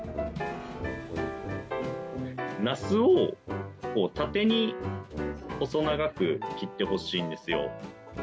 ナスを縦に細長く切ってほしいんですよ。